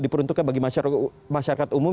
diperuntukkan bagi masyarakat umum